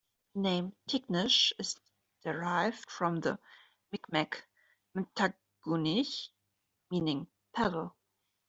The name "Tignish" is derived from the Mi'kmaq "Mtagunich", meaning "paddle".